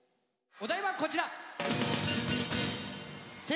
お題はこちら。